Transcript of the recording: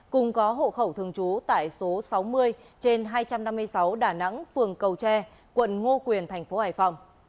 cùng có hộ khẩu thường trú tại số sáu mươi trên hai trăm năm mươi sáu đà nẵng phường cầu tre quận ngô quyền thành phố hải phòng